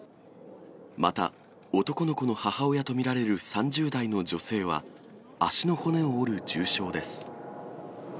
また、男の子の母親と見られる３０代の女性は、足の骨を折る重傷です。